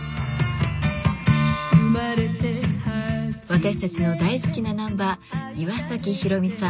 私たちの大好きなナンバー岩崎宏美さん